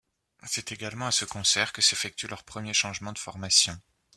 C'est également à ce concert que s'effectue leur premier changement de formation.